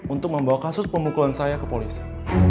untuk membawa kasus pemukulan saya ke polisi